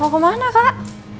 mau kemana kak